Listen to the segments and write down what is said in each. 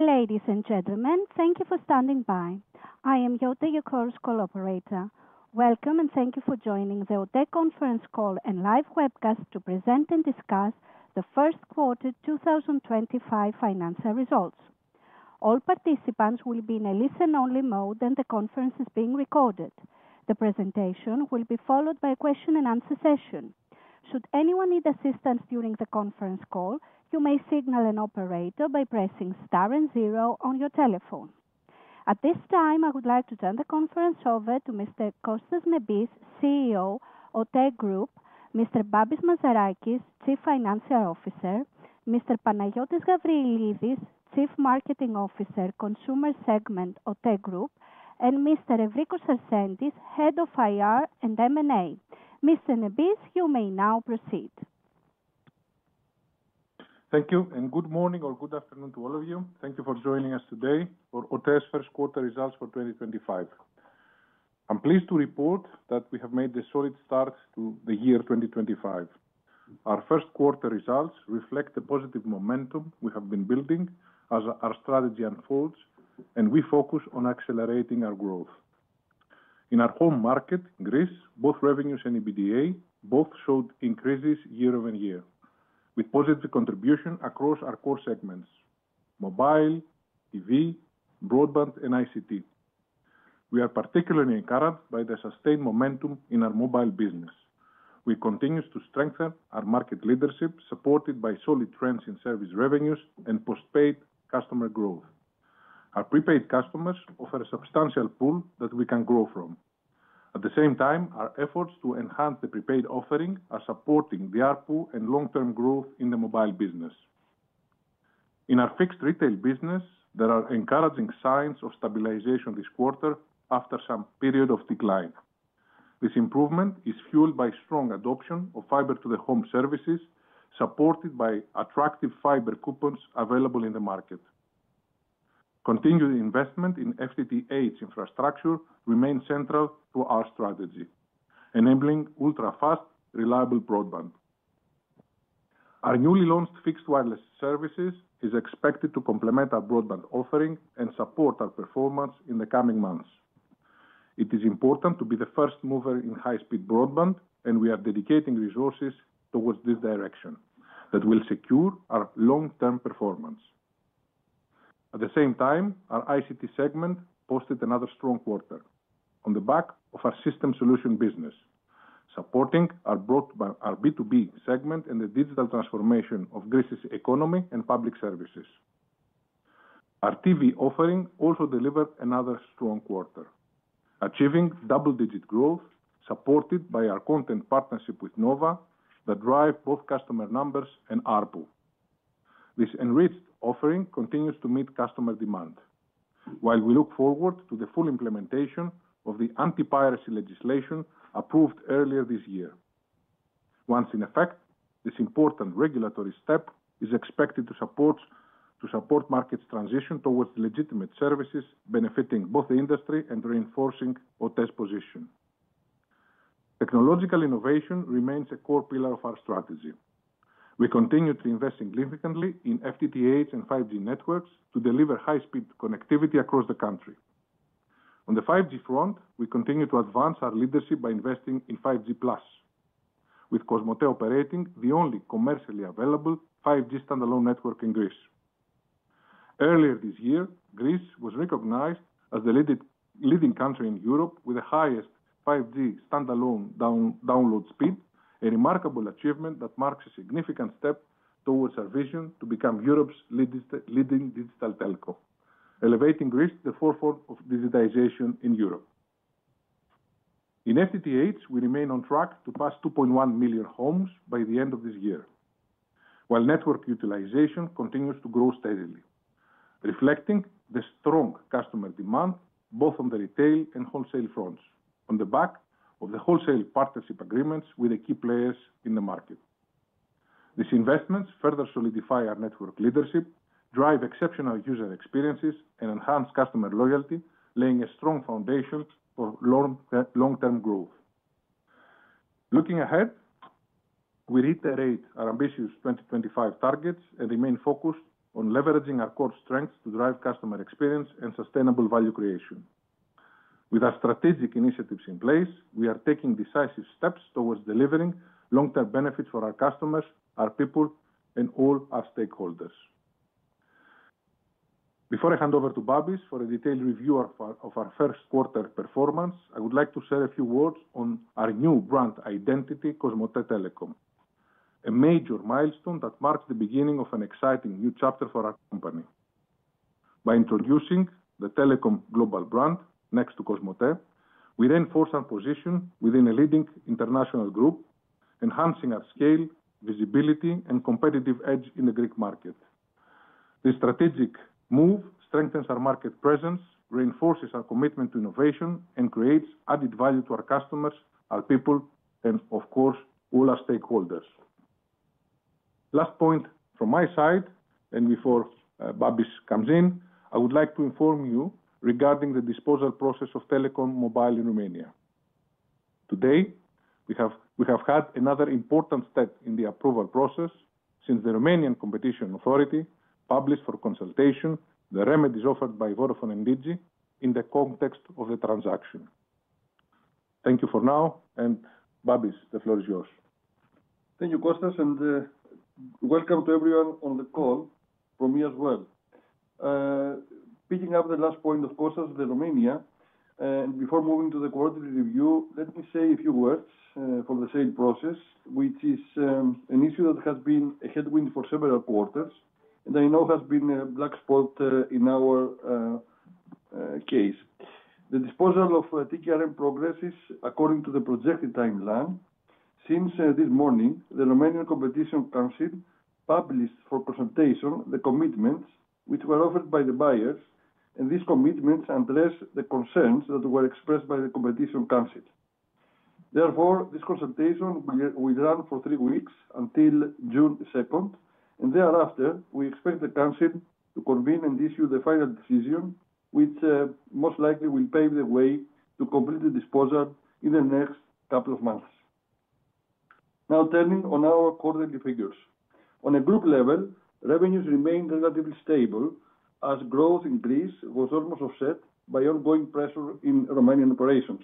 Ladies and gentlemen, thank you for standing by. I am your OTE Group call operator. Welcome, and thank you for joining the OTE conference call and live webcast to present and discuss the first quarter 2025 financial results. All participants will be in a listen-only mode, and the conference is being recorded. The presentation will be followed by a question-and-answer session. Should anyone need assistance during the conference call, you may signal an operator by pressing star and zero on your telephone. At this time, I would like to turn the conference over to Mr. Kostas Nebis, CEO, OTE Group, Mr. Babis Mazarakis, Chief Financial Officer, Mr. Panayiotis Gabrielides, Chief Marketing Officer, Consumer Segment, OTE Group, and Mr. Evrikos Sarsentis, Head of IR and M&A. Mr. Nebis, you may now proceed. Thank you, and good morning or good afternoon to all of you. Thank you for joining us today for OTE Group's first quarter results for 2025. I'm pleased to report that we have made a solid start to the year 2025. Our first quarter results reflect the positive momentum we have been building as our strategy unfolds, and we focus on accelerating our growth. In our home market, Greece, both revenues and EBITDA both showed increases year-over-year, with positive contributions across our core segments: mobile, TV, broadband, and ICT. We are particularly encouraged by the sustained momentum in our mobile business. We continue to strengthen our market leadership, supported by solid trends in service revenues and postpaid customer growth. Our prepaid customers offer a substantial pool that we can grow from. At the same time, our efforts to enhance the prepaid offering are supporting the ARPU and long-term growth in the mobile business. In our fixed retail business, there are encouraging signs of stabilization this quarter after some period of decline. This improvement is fueled by strong adoption of fiber-to-the-home services, supported by attractive fiber coupons available in the market. Continued investment in FTTH infrastructure remains central to our strategy, enabling ultra-fast, reliable broadband. Our newly launched fixed wireless services are expected to complement our broadband offering and support our performance in the coming months. It is important to be the first mover in high-speed broadband, and we are dedicating resources towards this direction that will secure our long-term performance. At the same time, our ICT segment posted another strong quarter on the back of our system solution business, supporting our B2B segment and the digital transformation of Greece's economy and public services. Our TV offering also delivered another strong quarter, achieving double-digit growth, supported by our content partnership with Nova that drives both customer numbers and ARPU. This enriched offering continues to meet customer demand, while we look forward to the full implementation of the anti-piracy legislation approved earlier this year. Once in effect, this important regulatory step is expected to support markets' transition towards legitimate services, benefiting both the industry and reinforcing OTE Group's position. Technological innovation remains a core pillar of our strategy. We continue to invest significantly in FTTH and 5G networks to deliver high-speed connectivity across the country. On the 5G front, we continue to advance our leadership by investing in 5G+, with Cosmote operating the only commercially available 5G standalone network in Greece. Earlier this year, Greece was recognized as the leading country in Europe with the highest 5G standalone download speed, a remarkable achievement that marks a significant step towards our vision to become Europe's leading digital telco, elevating Greece to the forefront of digitization in Europe. In FTTH, we remain on track to pass 2.1 million homes by the end of this year, while network utilization continues to grow steadily, reflecting the strong customer demand both on the retail and wholesale fronts, on the back of the wholesale partnership agreements with the key players in the market. These investments further solidify our network leadership, drive exceptional user experiences, and enhance customer loyalty, laying a strong foundation for long-term growth. Looking ahead, we reiterate our ambitious 2025 targets and remain focused on leveraging our core strengths to drive customer experience and sustainable value creation. With our strategic initiatives in place, we are taking decisive steps towards delivering long-term benefits for our customers, our people, and all our stakeholders. Before I hand over to Babis for a detailed review of our first quarter performance, I would like to share a few words on our new brand identity, COSMOTE Telecom, a major milestone that marks the beginning of an exciting new chapter for our company. By introducing the Telecom Global brand next to COSMOTE, we reinforce our position within a leading international group, enhancing our scale, visibility, and competitive edge in the Greek market. This strategic move strengthens our market presence, reinforces our commitment to innovation, and creates added value to our customers, our people, and, of course, all our stakeholders. Last point from my side, and before Babis comes in, I would like to inform you regarding the disposal process of Telekom Romania Mobile in Romania. Today, we have had another important step in the approval process since the Romanian Competition Authority published for consultation the remedies offered by Vodafone and Digi, in the context of the transaction. Thank you for now, and Babis, the floor is yours. Thank you, Kostas, and welcome to everyone on the call, from me as well. Picking up the last point of Kostas's, the Romania, and before moving to the quarterly review, let me say a few words for the sale process, which is an issue that has been a headwind for several quarters, and I know has been a black spot in our case. The disposal of TKRM progresses according to the projected timeline. Since this morning, the Romanian Competition Council published for consultation the commitments which were offered by the buyers, and these commitments address the concerns that were expressed by the Competition Council. Therefore, this consultation will run for three weeks until June 2, and thereafter, we expect the Council to convene and issue the final decision, which most likely will pave the way to complete the disposal in the next couple of months. Now, turning on our quarterly figures. On a group level, revenues remain relatively stable as growth in Greece was almost offset by ongoing pressure in Romanian operations.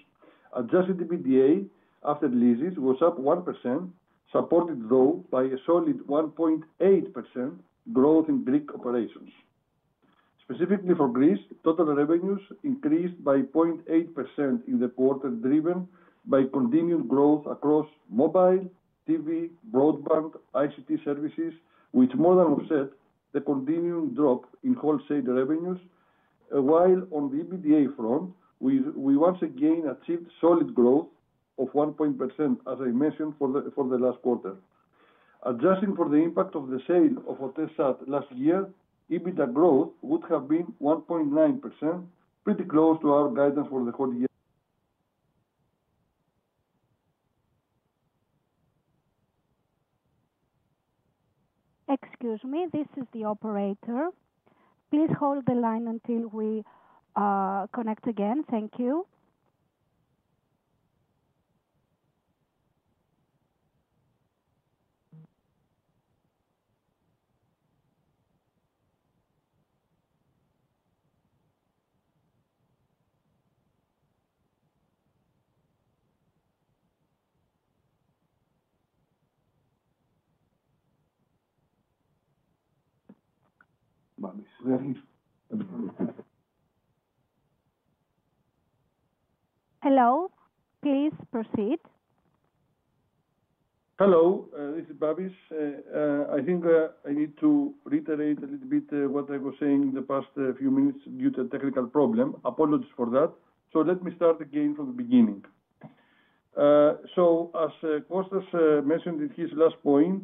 Adjusted EBITDA after leases was up 1%, supported, though, by a solid 1.8% growth in Greek operations. Specifically for Greece, total revenues increased by 0.8% in the quarter, driven by continued growth across mobile, TV, broadband, ICT services, which more than offset the continuing drop in wholesale revenues, while on the EBITDA front, we once again achieved solid growth of 1.0%, as I mentioned, for the last quarter. Adjusting for the impact of the sale of OTECSAT last year, EBITDA growth would have been 1.9%, pretty close to our guidance for the whole year. Excuse me, this is the operator. Please hold the line until we connect again. Thank you. Babis, ready? Hello, please proceed. Hello, this is Babis. I think I need to reiterate a little bit what I was saying in the past few minutes due to a technical problem. Apologies for that. Let me start again from the beginning. As Kostas mentioned in his last point,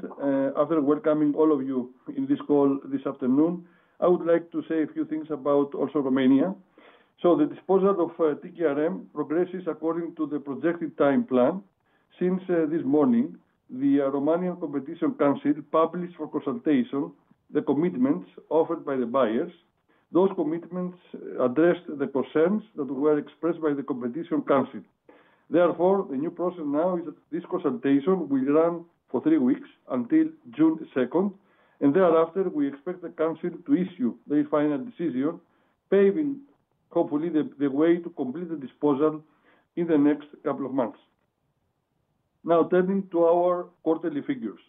after welcoming all of you in this call this afternoon, I would like to say a few things about also Romania. The disposal of TKRM progresses according to the projected timeline. Since this morning, the Romanian Competition Council published for consultation the commitments offered by the buyers. Those commitments addressed the concerns that were expressed by the Competition Council. Therefore, the new process now is that this consultation will run for three weeks until June 2nd, and thereafter, we expect the Council to issue the final decision, paving, hopefully, the way to complete the disposal in the next couple of months. Now, turning to our quarterly figures.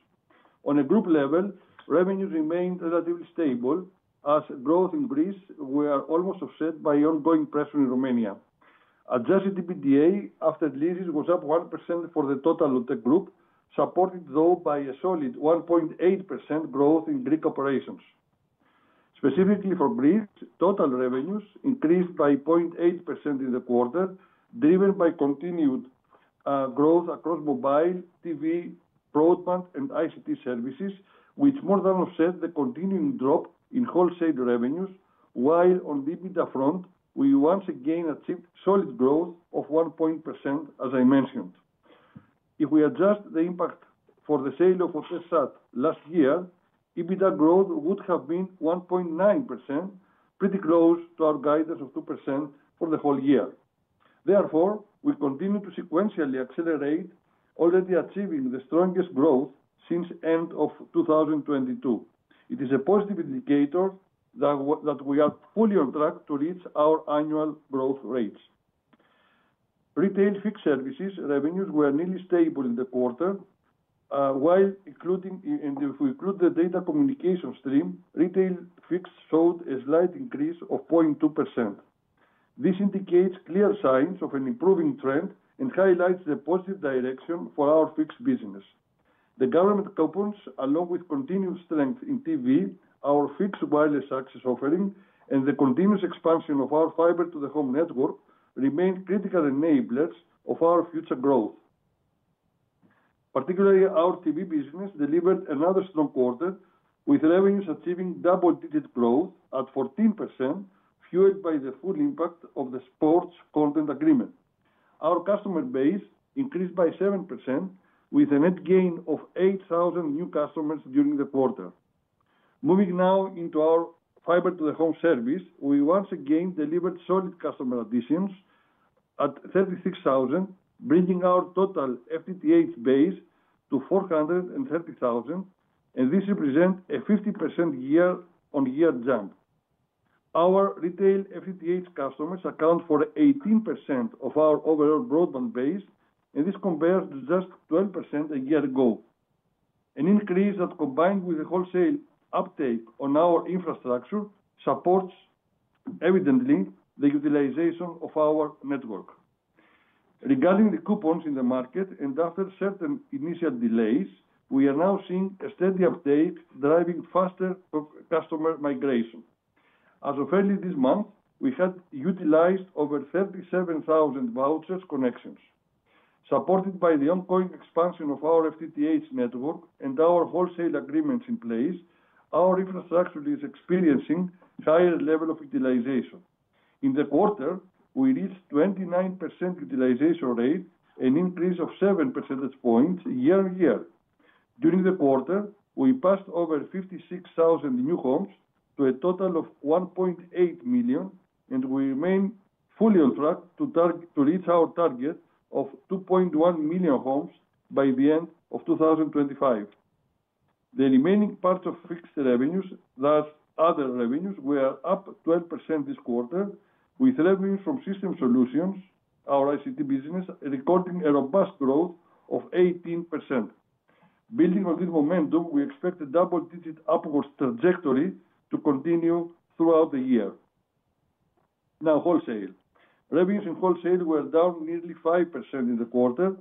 On a group level, revenues remained relatively stable as growth in Greece was almost offset by ongoing pressure in Romania. Adjusted EBITDA after leases was up 1% for the total OTE Group, supported, though, by a solid 1.8% growth in Greek operations. Specifically for Greece, total revenues increased by 0.8% in the quarter, driven by continued growth across mobile, TV, broadband, and ICT services, which more than offset the continuing drop in wholesale revenues, while on the EBITDA front, we once again achieved solid growth of 1.0%, as I mentioned. If we adjust the impact for the sale of OTE Sat last year, EBITDA growth would have been 1.9%, pretty close to our guidance of 2% for the whole year. Therefore, we continue to sequentially accelerate, already achieving the strongest growth since the end of 2022. It is a positive indicator that we are fully on track to reach our annual growth rates. Retail fixed services revenues were nearly stable in the quarter, while if we include the data communication stream, retail fixed showed a slight increase of 0.2%. This indicates clear signs of an improving trend and highlights the positive direction for our fixed business. The government coupons, along with continued strength in TV, our fixed wireless access offering, and the continuous expansion of our fiber-to-the-home network remain critical enablers of our future growth. Particularly, our TV business delivered another strong quarter, with revenues achieving double-digit growth at 14%, fueled by the full impact of the sports content agreement. Our customer base increased by 7%, with a net gain of 8,000 new customers during the quarter. Moving now into our fiber-to-the-home service, we once again delivered solid customer additions at 36,000, bringing our total FTTH base to 430,000, and this represents a 50% year-on-year jump. Our retail FTTH customers account for 18% of our overall broadband base, and this compares to just 12% a year ago. An increase that, combined with the wholesale uptake on our infrastructure, supports evidently the utilization of our network. Regarding the coupons in the market, and after certain initial delays, we are now seeing a steady uptake, driving faster customer migration. As of early this month, we had utilized over 37,000 voucher connections. Supported by the ongoing expansion of our FTTH network and our wholesale agreements in place, our infrastructure is experiencing a higher level of utilization. In the quarter, we reached a 29% utilization rate, an increase of 7 percentage points year-on-year. During the quarter, we passed over 56,000 new homes to a total of 1.8 million, and we remain fully on track to reach our target of 2.1 million homes by the end of 2025. The remaining part of fixed revenues, thus other revenues, were up 12% this quarter, with revenues from system solutions, our ICT business, recording a robust growth of 18%. Building on this momentum, we expect a double-digit upward trajectory to continue throughout the year. Now, wholesale. Revenues in wholesale were down nearly 5% in the quarter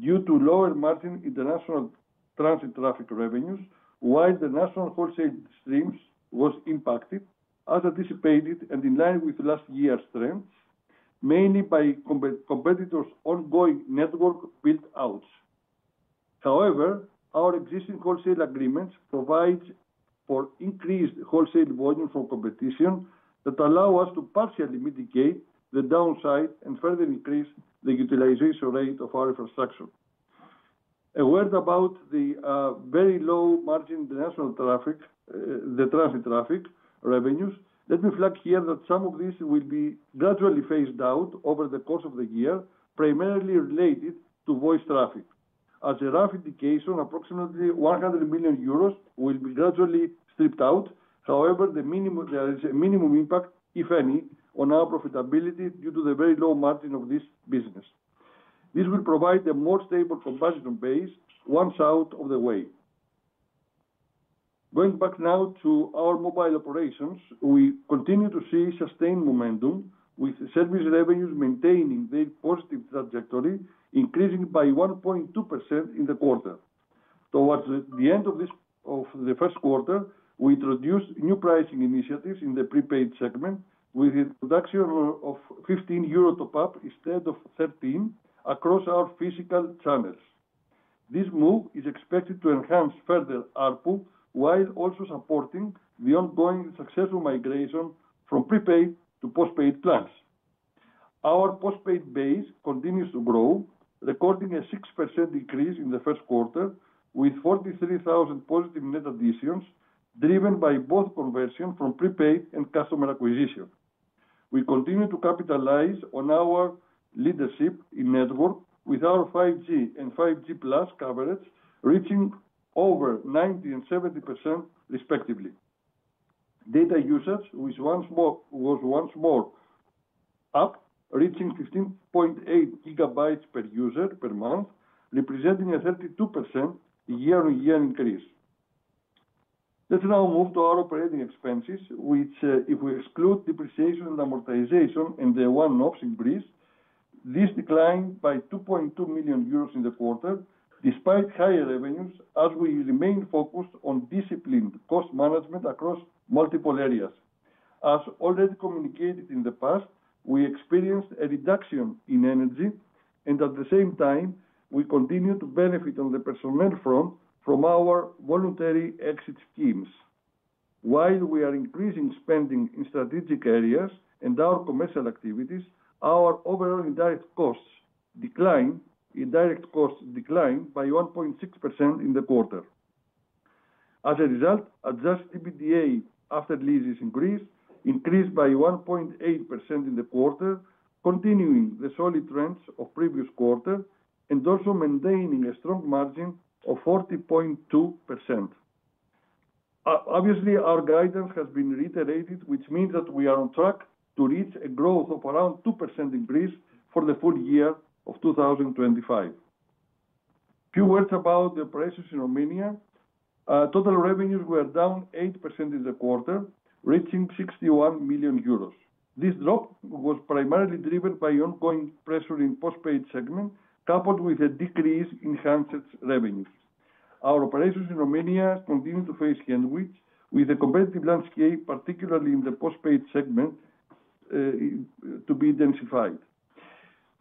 due to lower margin international transit traffic revenues, while the national wholesale streams were impacted, as anticipated and in line with last year's trends, mainly by competitors' ongoing network build-outs. However, our existing wholesale agreements provide for increased wholesale volumes from competition that allow us to partially mitigate the downside and further increase the utilization rate of our infrastructure. Aware about the very low margin international traffic, the transit traffic revenues, let me flag here that some of these will be gradually phased out over the course of the year, primarily related to voice traffic. As a rough indication, approximately 100 million euros will be gradually stripped out; however, there is a minimum impact, if any, on our profitability due to the very low margin of this business. This will provide a more stable competition base once out of the way. Going back now to our mobile operations, we continue to see sustained momentum, with service revenues maintaining their positive trajectory, increasing by 1.2% in the quarter. Towards the end of the first quarter, we introduced new pricing initiatives in the prepaid segment, with the introduction of 15 euro top-up instead of 13 across our physical channels. This move is expected to enhance further ARPU, while also supporting the ongoing successful migration from prepaid to postpaid plans. Our postpaid base continues to grow, recording a 6% increase in the first quarter, with 43,000 positive net additions, driven by both conversion from prepaid and customer acquisition. We continue to capitalize on our leadership in network, with our 5G and 5G+ coverage reaching over 90% and 70%, respectively. Data usage was once more up, reaching 15.8 GB per user per month, representing a 32% year-on-year increase. Let's now move to our operating expenses, which, if we exclude depreciation and amortization and the one-offs in Greece, this declined by 2.2 million euros in the quarter, despite higher revenues, as we remain focused on disciplined cost management across multiple areas. As already communicated in the past, we experienced a reduction in energy, and at the same time, we continue to benefit on the personnel front from our voluntary exit schemes. While we are increasing spending in strategic areas and our commercial activities, our overall indirect costs declined by 1.6% in the quarter. As a result, adjusted EBITDA after leases increased by 1.8% in the quarter, continuing the solid trends of the previous quarter, and also maintaining a strong margin of 40.2%. Obviously, our guidance has been reiterated, which means that we are on track to reach a growth of around 2% in Greece for the full year of 2025. Few words about the prices in Romania. Total revenues were down 8% in the quarter, reaching 61 million euros. This drop was primarily driven by ongoing pressure in the postpaid segment, coupled with a decrease in transit revenues. Our operations in Romania continue to face headwinds, with the competitive landscape, particularly in the postpaid segment, to be densified.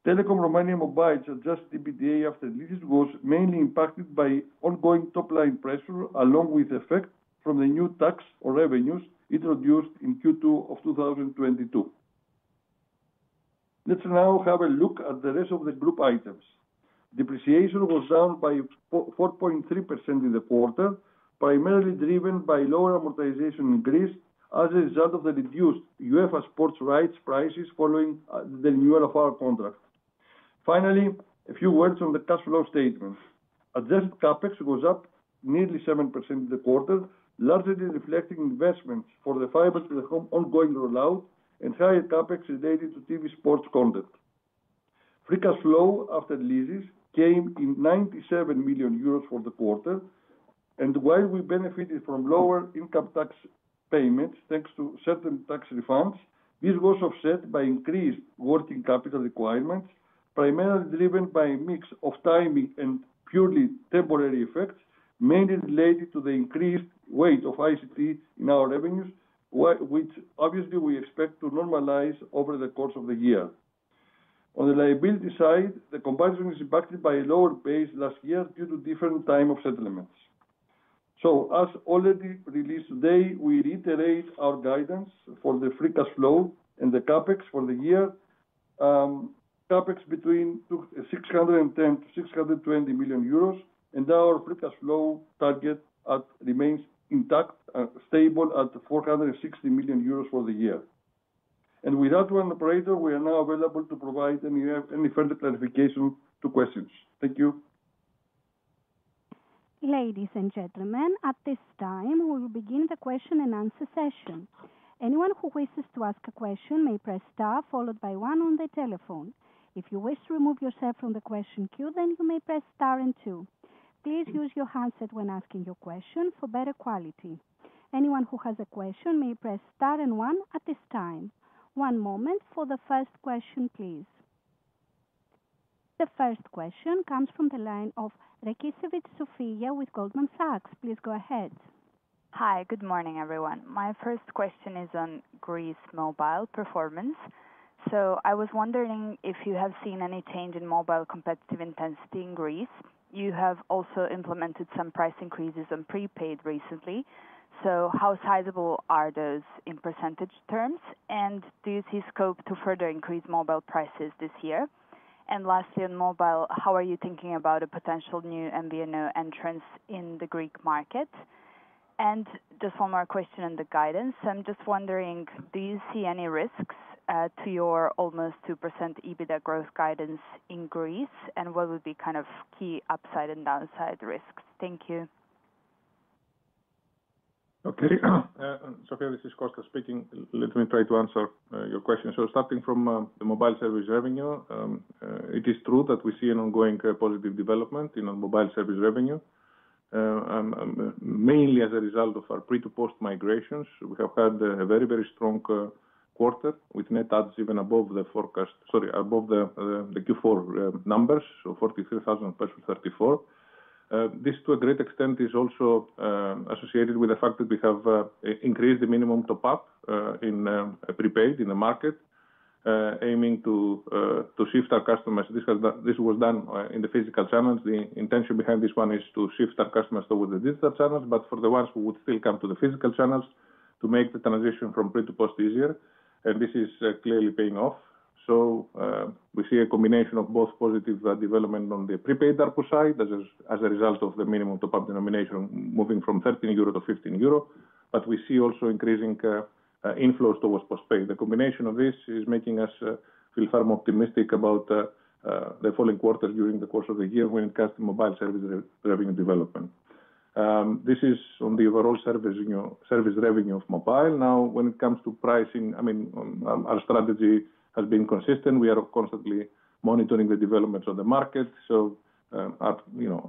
Telekom Romania Mobile, adjusted EBITDA after leases, was mainly impacted by ongoing top-line pressure, along with the effect from the new tax on revenues introduced in Q2 of 2022. Let's now have a look at the rest of the group items. Depreciation was down by 4.3% in the quarter, primarily driven by lower amortization in Greece as a result of the reduced UEFA sports rights prices following the renewal of our contract. Finally, a few words on the cash flow statement. Adjusted CapEX was up nearly 7% in the quarter, largely reflecting investments for the fiber-to-the-home ongoing rollout and higher CapEX related to TV sports content. Free cash flow after leases came in at 97 million euros for the quarter, and while we benefited from lower income tax payments thanks to certain tax refunds, this was offset by increased working capital requirements, primarily driven by a mix of timing and purely temporary effects, mainly related to the increased weight of ICT in our revenues, which obviously we expect to normalize over the course of the year. On the liability side, the comparison is impacted by a lower base last year due to different timing of settlements. As already released today, we reiterate our guidance for the free cash flow and the CapEX for the year. CapEX between 610-620 million euros, and our free cash flow target remains intact and stable at 460 million euros for the year. With that, one operator, we are now available to provide any further clarification to questions. Thank you. Ladies and gentlemen, at this time, we will begin the question and answer session. Anyone who wishes to ask a question may press star followed by one on the telephone. If you wish to remove yourself from the question queue, then you may press star and two. Please use your handset when asking your question for better quality. Anyone who has a question may press star and one at this time. One moment for the first question, please. The first question comes from the line of Sofija Rakicevic with Goldman Sachs. Please go ahead. Hi, good morning, everyone. My first question is on Greece mobile performance. I was wondering if you have seen any change in mobile competitive intensity in Greece. You have also implemented some price increases on prepaid recently. How sizable are those in percentage terms? Do you see scope to further increase mobile prices this year? Lastly, on mobile, how are you thinking about a potential new MVNO entrance in the Greek market? Just one more question on the guidance. I'm wondering, do you see any risks to your almost 2% EBITDA growth guidance in Greece? What would be kind of key upside and downside risks? Thank you. Okay. Sofija, this is Kostas speaking. Let me try to answer your question. Starting from the mobile service revenue, it is true that we see an ongoing positive development in mobile service revenue, mainly as a result of our pre-to-post migrations. We have had a very, very strong quarter with net adds even above the forecast, sorry, above the Q4 numbers, so 43,000 versus 34. This, to a great extent, is also associated with the fact that we have increased the minimum top-up in prepaid in the market, aiming to shift our customers. This was done in the physical channels. The intention behind this one is to shift our customers over the digital channels, but for the ones who would still come to the physical channels, to make the transition from pre-to-post easier. This is clearly paying off. We see a combination of both positive development on the prepaid ARPU side, as a result of the minimum top-up denomination moving from 13 euro to 15 euro, but we see also increasing inflows towards postpaid. The combination of this is making us feel far more optimistic about the following quarters during the course of the year when it comes to mobile service revenue development. This is on the overall service revenue of mobile. Now, when it comes to pricing, I mean, our strategy has been consistent. We are constantly monitoring the developments of the market. Our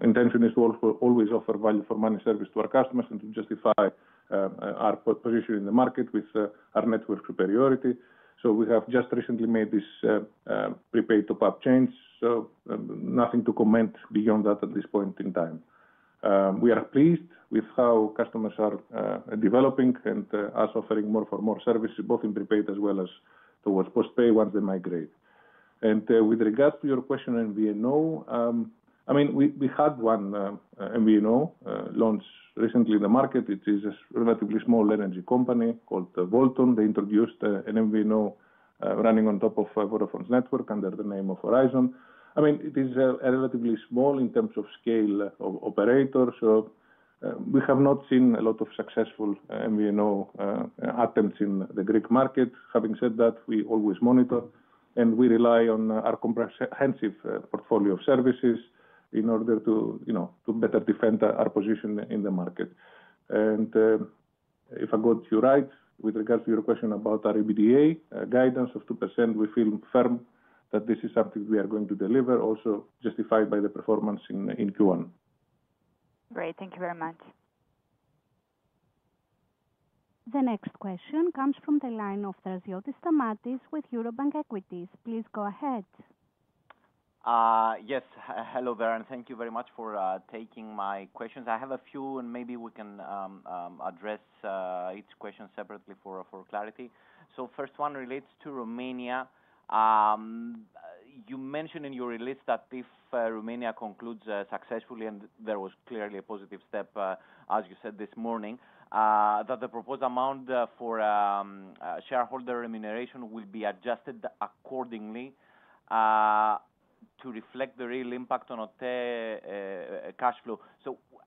intention is to always offer value for money service to our customers and to justify our position in the market with our network superiority. We have just recently made this prepaid top-up change. Nothing to comment beyond that at this point in time. We are pleased with how customers are developing and us offering more for more services, both in prepaid as well as towards postpaid once they migrate. With regards to your question on MVNO, I mean, we had one MVNO launch recently in the market. It is a relatively small energy company called Volton. They introduced an MVNO running on top of Vodafone's network under the name of Horizon. I mean, it is relatively small in terms of scale of operators. We have not seen a lot of successful MVNO attempts in the Greek market. Having said that, we always monitor, and we rely on our comprehensive portfolio of services in order to better defend our position in the market. If I got you right, with regards to your question about our EBITDA guidance of 2%, we feel firm that this is something we are going to deliver, also justified by the performance in Q1. Great. Thank you very much. The next question comes from the line of Stamatios Draziotis with Eurobank Equities. Please go ahead. Yes. Hello, Vera. Thank you very much for taking my questions. I have a few, and maybe we can address each question separately for clarity. The first one relates to Romania. You mentioned in your release that if Romania concludes successfully, and there was clearly a positive step, as you said this morning, that the proposed amount for shareholder remuneration will be adjusted accordingly to reflect the real impact on OTE cash flow.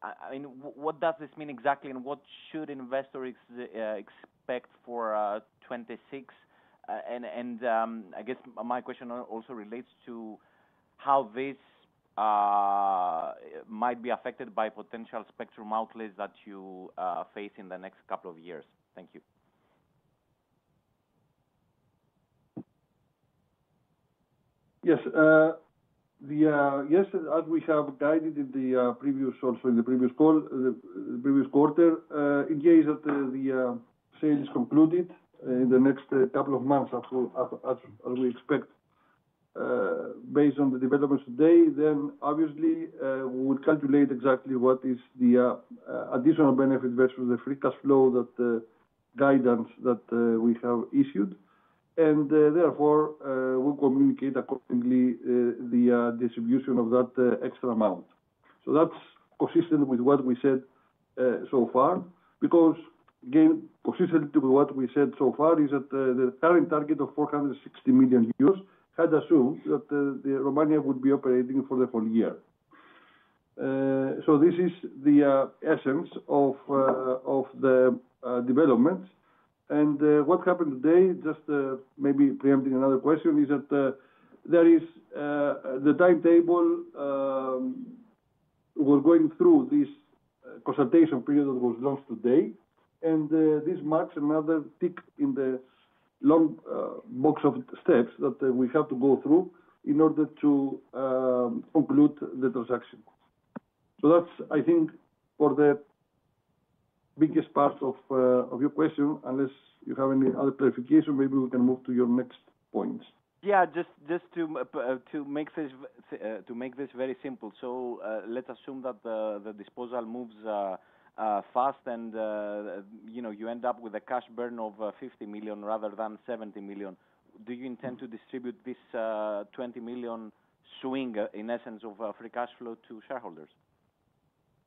I mean, what does this mean exactly, and what should investors expect for 2026? I guess my question also relates to how this might be affected by potential spectrum outlays that you face in the next couple of years. Thank you. Yes. Yes, as we have guided in the previous also, in the previous call, the previous quarter, in case that the sale is concluded in the next couple of months, as we expect, based on the developments today, obviously we would calculate exactly what is the additional benefit versus the free cash flow guidance that we have issued. Therefore, we will communicate accordingly the distribution of that extra amount. That is consistent with what we said so far, because again, consistent with what we said so far is that the current target of 460 million euros had assumed that Romania would be operating for the whole year. This is the essence of the development. What happened today, just maybe preempting another question, is that the timetable was going through this consultation period that was launched today. This marks another tick in the long box of steps that we have to go through in order to conclude the transaction. I think that's for the biggest part of your question. Unless you have any other clarification, maybe we can move to your next point. Yeah, just to make this very simple. Let's assume that the disposal moves fast, and you end up with a cash burn of 50 million rather than 70 million. Do you intend to distribute this 20 million swing, in essence, of free cash flow to shareholders?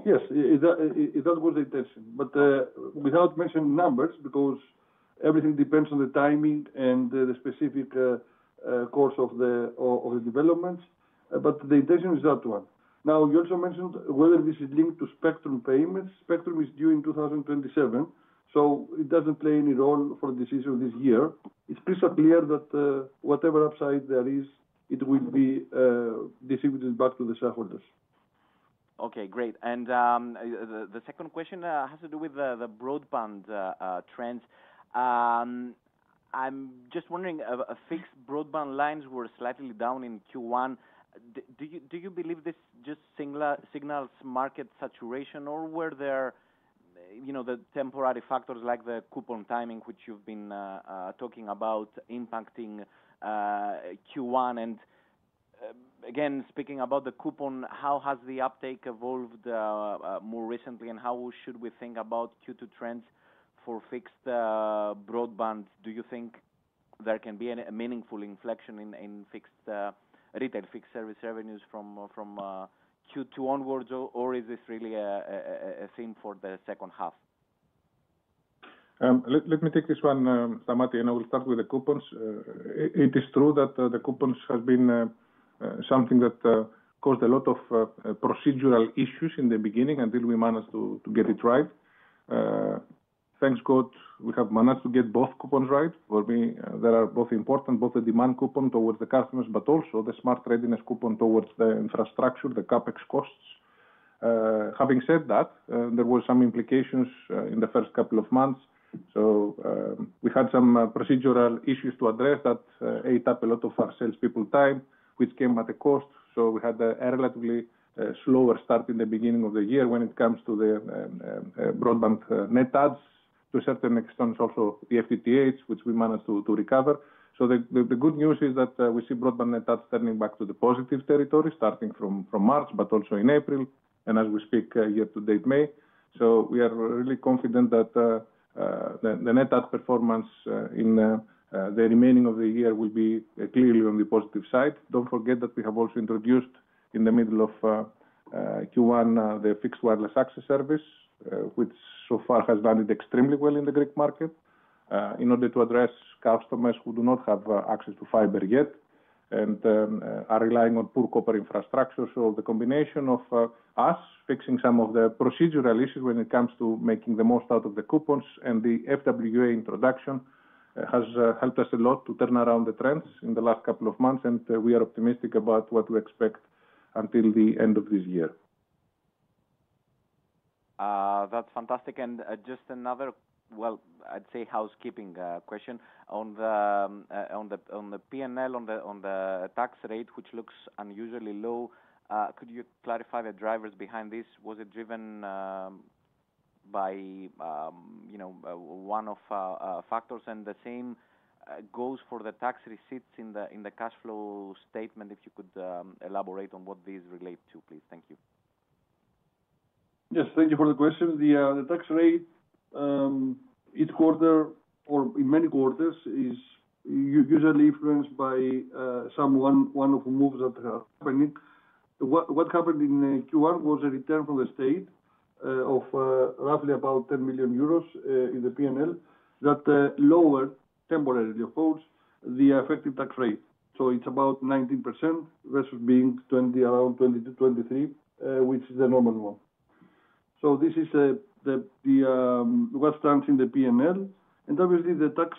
Yes, that was the intention. Without mentioning numbers, because everything depends on the timing and the specific course of the developments. The intention is that one. You also mentioned whether this is linked to spectrum payments. Spectrum is due in 2027, so it does not play any role for the decision this year. It is crystal clear that whatever upside there is, it will be distributed back to the shareholders. Okay, great. The second question has to do with the broadband trends. I'm just wondering, fixed broadband lines were slightly down in Q1. Do you believe this just signals market saturation, or were there the temporary factors like the coupon timing, which you've been talking about, impacting Q1? Again, speaking about the coupon, how has the uptake evolved more recently, and how should we think about Q2 trends for fixed broadband? Do you think there can be a meaningful inflection in fixed retail fixed service revenues from Q2 onwards, or is this really a theme for the second half? Let me take this one, Samantha, and I will start with the coupons. It is true that the coupons have been something that caused a lot of procedural issues in the beginning until we managed to get it right. Thank God, we have managed to get both coupons right. For me, they are both important, both the demand coupon towards the customers, but also the smart readiness coupon towards the infrastructure, the CapEX costs. Having said that, there were some implications in the first couple of months. We had some procedural issues to address that ate up a lot of our salespeople time, which came at a cost. We had a relatively slower start in the beginning of the year when it comes to the broadband net adds. To a certain extent, also the FTTHs, which we managed to recover. The good news is that we see broadband net adds turning back to the positive territory, starting from March, but also in April, and as we speak, year to date, May. We are really confident that the net add performance in the remaining of the year will be clearly on the positive side. Don't forget that we have also introduced in the middle of Q1 the fixed wireless access service, which so far has done extremely well in the Greek market in order to address customers who do not have access to fiber yet and are relying on poor copper infrastructure. The combination of us fixing some of the procedural issues when it comes to making the most out of the coupons and the FWA introduction has helped us a lot to turn around the trends in the last couple of months, and we are optimistic about what we expect until the end of this year. That's fantastic. Just another, I'd say, housekeeping question. On the P&L, on the tax rate, which looks unusually low, could you clarify the drivers behind this? Was it driven by one-off factors? The same goes for the tax receipts in the cash flow statement. If you could elaborate on what these relate to, please. Thank you. Yes, thank you for the question. The tax rate each quarter, or in many quarters, is usually influenced by some one of the moves that are happening. What happened in Q1 was a return from the state of roughly about 10 million euros in the P&L that lowered temporarily, of course, the effective tax rate. It is about 19% versus being around 22-23%, which is the normal one. This is what stands in the P&L. Obviously, the tax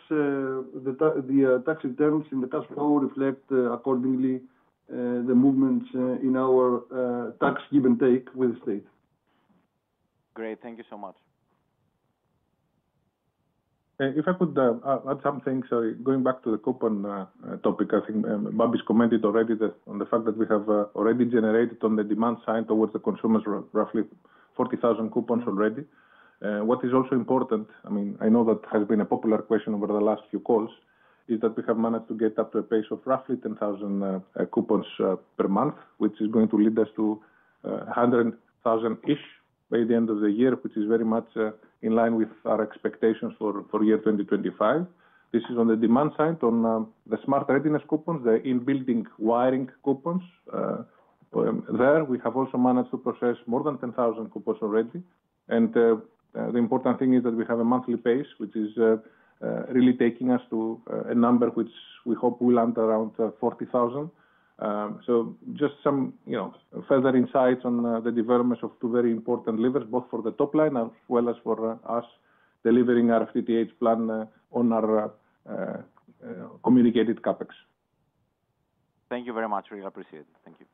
returns in the cash flow reflect accordingly the movements in our tax give and take with the state. Great. Thank you so much. If I could add something, sorry, going back to the coupon topic, I think Babis commented already on the fact that we have already generated on the demand side towards the consumers roughly 40,000 coupons already. What is also important, I mean, I know that has been a popular question over the last few calls, is that we have managed to get up to a pace of roughly 10,000 coupons per month, which is going to lead us to 100,000-ish by the end of the year, which is very much in line with our expectations for year 2025. This is on the demand side on the smart readiness coupons, the in-building wiring coupons. There, we have also managed to process more than 10,000 coupons already. The important thing is that we have a monthly pace, which is really taking us to a number which we hope will land around 40,000. Just some further insights on the development of two very important levers, both for the top line as well as for us delivering our FTTH plan on our communicated CapEX. Thank you very much. Really appreciate it. Thank you.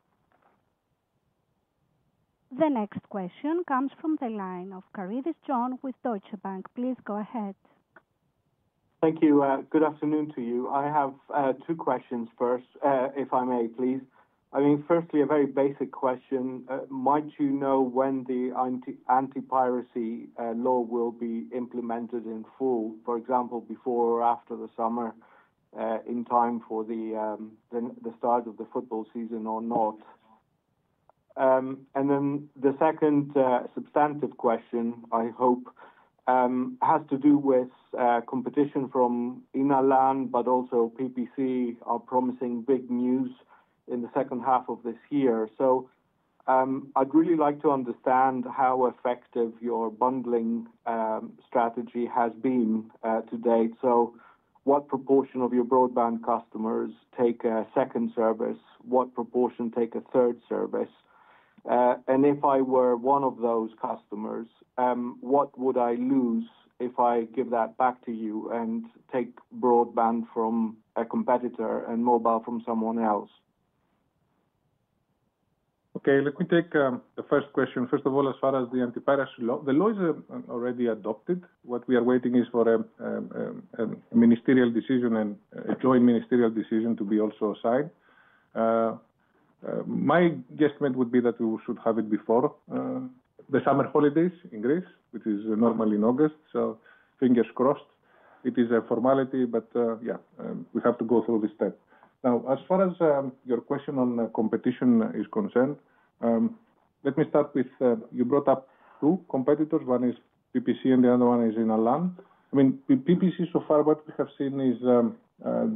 The next question comes from the line of John Karidis with Deutsche Bank. Please go ahead. Thank you. Good afternoon to you. I have two questions first, if I may, please. I mean, firstly, a very basic question. Might you know when the anti-piracy law will be implemented in full, for example, before or after the summer, in time for the start of the football season or not? The second substantive question, I hope, has to do with competition from Inalan, but also PPC, our promising big news in the second half of this year. I would really like to understand how effective your bundling strategy has been to date. What proportion of your broadband customers take a second service? What proportion take a third service? If I were one of those customers, what would I lose if I give that back to you and take broadband from a competitor and mobile from someone else? Okay, let me take the first question. First of all, as far as the anti-piracy law, the law is already adopted. What we are waiting for is a ministerial decision and a joint ministerial decision to be also signed. My guesstimate would be that we should have it before the summer holidays in Greece, which is normally in August. Fingers crossed. It is a formality, but yeah, we have to go through this step. Now, as far as your question on competition is concerned, let me start with you brought up two competitors. One is PPC, and the other one is Inalan. I mean, PPC, so far, what we have seen is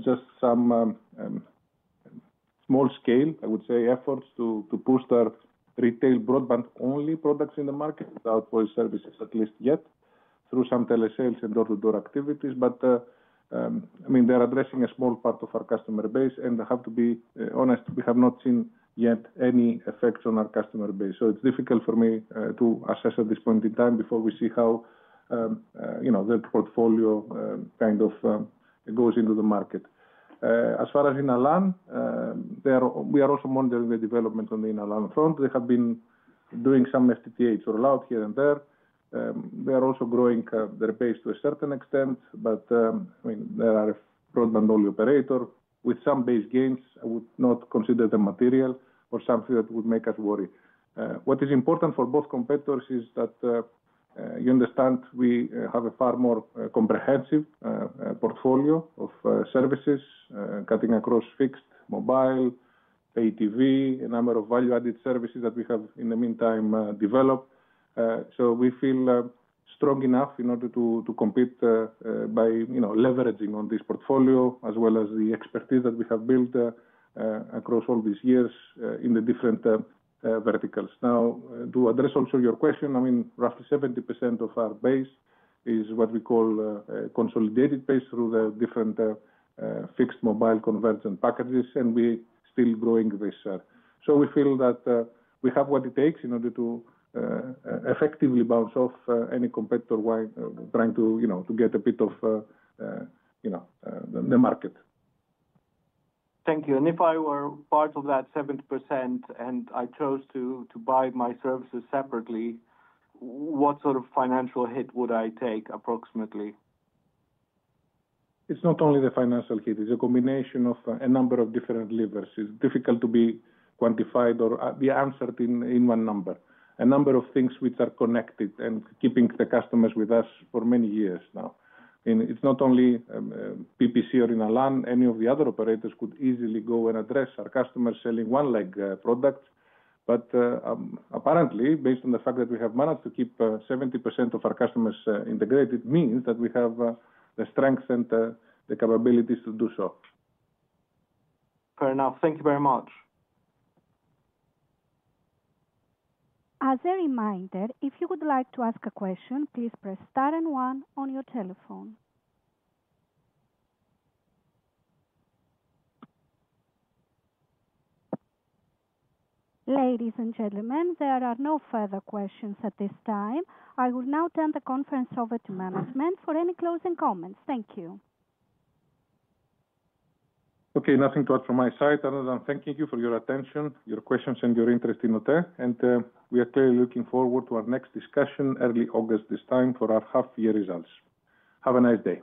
just some small-scale, I would say, efforts to boost our retail broadband-only products in the market without voice services, at least yet, through some telesales and door-to-door activities. I mean, they're addressing a small part of our customer base. I have to be honest, we have not seen yet any effects on our customer base. It's difficult for me to assess at this point in time before we see how the portfolio kind of goes into the market. As far as Inalan, we are also monitoring the development on the Inalan front. They have been doing some FTTH rollout here and there. They are also growing their base to a certain extent, but I mean, they are a broadband-only operator with some base gains. I would not consider them material or something that would make us worry. What is important for both competitors is that you understand we have a far more comprehensive portfolio of services, cutting across fixed, mobile, pay-TV, a number of value-added services that we have in the meantime developed. We feel strong enough in order to compete by leveraging on this portfolio, as well as the expertise that we have built across all these years in the different verticals. Now, to address also your question, I mean, roughly 70% of our base is what we call consolidated base through the different fixed mobile convergent packages, and we are still growing this. We feel that we have what it takes in order to effectively bounce off any competitor trying to get a bit of the market. Thank you. If I were part of that 70% and I chose to buy my services separately, what sort of financial hit would I take approximately? It's not only the financial hit. It's a combination of a number of different levers. It's difficult to be quantified or be answered in one number. A number of things which are connected and keeping the customers with us for many years now. I mean, it's not only PPC or Inalan. Any of the other operators could easily go and address our customers selling one-legged products. Apparently, based on the fact that we have managed to keep 70% of our customers integrated, it means that we have the strength and the capabilities to do so. Fair enough. Thank you very much. As a reminder, if you would like to ask a question, please press star and one on your telephone. Ladies and gentlemen, there are no further questions at this time. I will now turn the conference over to management for any closing comments. Thank you. Okay, nothing to add from my side other than thanking you for your attention, your questions, and your interest in OTE. We are clearly looking forward to our next discussion early August this time for our half-year results. Have a nice day.